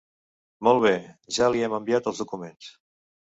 Molt bé, ja li hem enviat els documents.